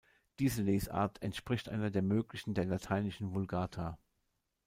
Dieser Lesart entspricht einer der Möglichen der lateinische Vulgata.